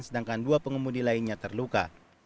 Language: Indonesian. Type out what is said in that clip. sedangkan dua pengemudi lainnya terluka